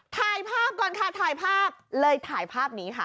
ถ่ายภาพก่อนค่ะถ่ายภาพเลยถ่ายภาพนี้ค่ะ